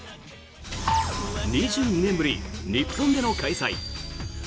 ２２年ぶり、日本での開催。